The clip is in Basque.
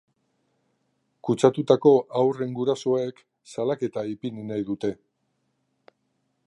Kutsatutako haurren gurasoek salaketa ipini nahi dute.